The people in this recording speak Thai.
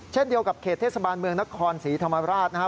เช่นเดียวกับเขตเทศบาลเมืองนครศรีธรรมราชนะครับ